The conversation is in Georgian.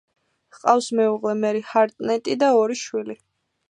ჰყავს მეუღლე მერი ჰარტნეტი და ორი შვილი.